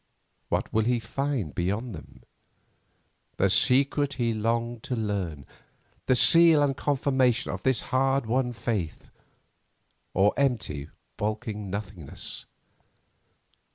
What will he find beyond them? The secret he longed to learn, the seal and confirmation of his hard won faith, or empty, baulking nothingness?